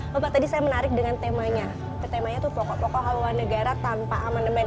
bapak tadi saya menarik dengan temanya temanya tuh pokok pokok luar negara tanpa aman aman